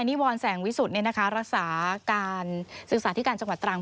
นิวรแสงวิสุทธิ์รักษาการศึกษาที่การจังหวัดตรัง